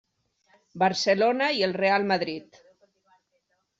Barcelona i el Real Madrid.